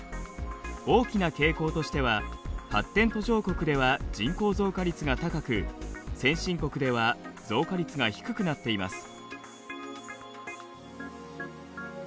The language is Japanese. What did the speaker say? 大きな傾向としては発展途上国では人口増加率が高く先進国では増加率が低くなっています。